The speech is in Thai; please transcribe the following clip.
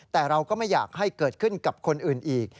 แต่เราก็ไม่อยากให้เกิดขึ้นกับคนอื่นอีก